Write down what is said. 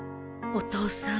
お父さん。